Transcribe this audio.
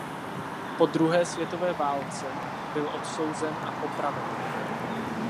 Po druhé světové válce byl odsouzen a popraven.